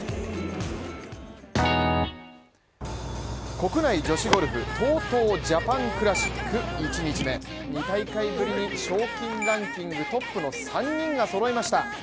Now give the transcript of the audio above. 国内女子ゴルフＴＯＴＯジャパンクラシック１日目は２試合ぶりに賞金ランキングトップの３人が揃いました。